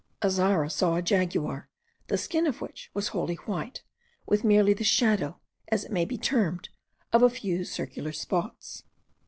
Azara saw a jaguar, the skin of which was wholly white, with merely the shadow, as it might be termed, of a few circular spots.